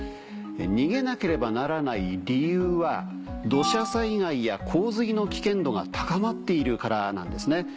逃げなければならない理由は土砂災害や洪水の危険度が高まっているからなんですね。